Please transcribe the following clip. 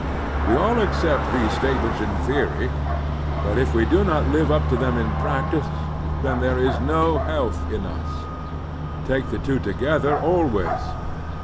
We all accept these statements in theory; but if we do not hve up to them in practice, then there is no health in us. Take the two together always.